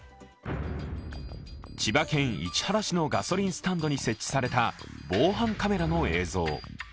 千葉県市原市のガソリンスタンドに設置された防犯カメラの映像。